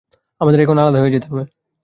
আমাদের এখন আলাদা হয়ে যেতে হবে।